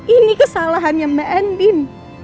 ini kesalahannya mbak endin